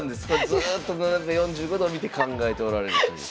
ずっと斜め４５度を見て考えておられるという。